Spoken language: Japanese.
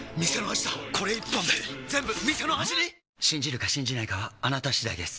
信じるか信じないかはあなた次第です